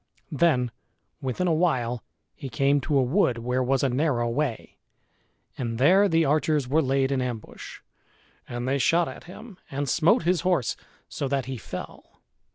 Then within a while he came to a wood where was a narrow way; and there the archers were laid in ambush. And they shot at him and smote his horse so that he fell.